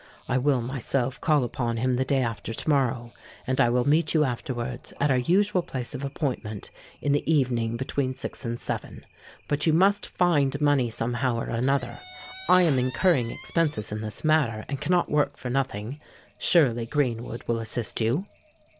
I will myself call upon him the day after to morrow; and I will meet you afterwards, at our usual place of appointment, in the evening between six and seven. But you must find money somehow or another: I am incurring expenses in this matter, and cannot work for nothing. Surely Greenwood will assist you?"